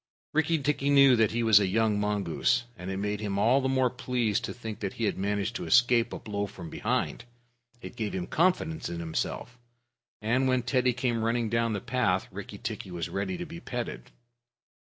Rikki tikki knew he was a young mongoose, and it made him all the more pleased to think that he had managed to escape a blow from behind. It gave him confidence in himself, and when Teddy came running down the path, Rikki tikki was ready to be petted.